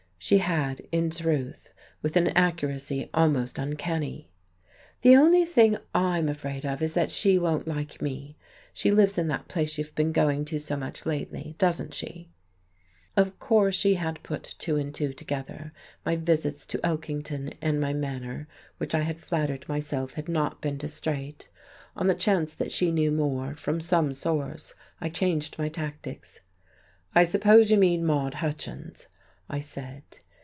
She had, in truth, with an accuracy almost uncanny. "The only thing I'm afraid of is that she won't like me. She lives in that place you've been going to so much, lately, doesn't she?" Of course she had put two and two together, my visits to Elkington and my manner, which I had flattered myself had not been distrait. On the chance that she knew more, from some source, I changed my tactics. "I suppose you mean Maude Hutchins," I said.